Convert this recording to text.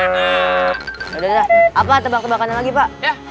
yaudah apa tebak tebak kanan lagi pak